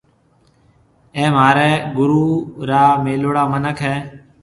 اَي مهاريَ گُرو را ميليوڙا مِنک هيَ۔